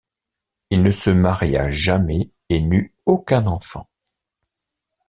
Il ne se maria jamais et n'eut aucun enfant.